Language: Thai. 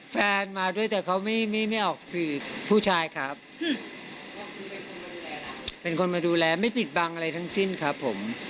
เป็นคนมาดูแลไม่ปิดบังอะไรทั้งสิ้นครับผม